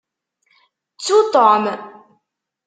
Ttu Tom.